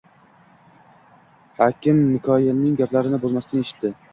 Hakim Mikoyilning gaplarini bo`lmasdan eshitdi